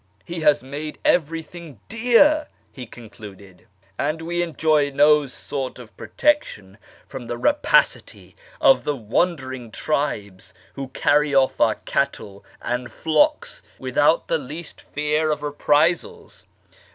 " He has made everything dear," he concluded, " and we enjoy no sort of protection from the ' rapacity of the wandering tribes, who carry off our cattle and flocks without the least fear of reprisals.